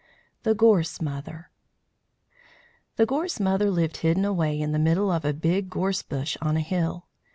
THE GORSE MOTHER The Gorse Mother lived hidden away in the middle of a big gorse bush on a hill.